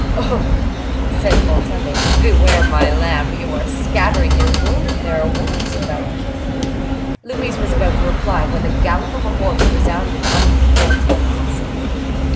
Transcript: "Oh! oh!" said Montalais. "Beware, my lamb! You are scattering your wool, and there are wolves about." Louise was about to reply, when the gallop of a horse resounded under the porch of the castle.